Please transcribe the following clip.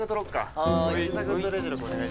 はい。